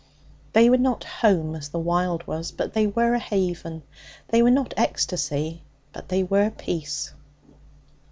They were not home as the wild was, but they were a haven. They were not ecstasy, but they were peace.